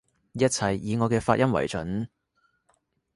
一切以我嘅發音爲準